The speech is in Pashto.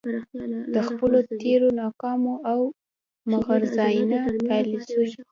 د خپلو تیرو ناکامو او مغرضانه يالیسیو